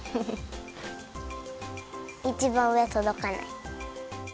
いちばんうえとどかない。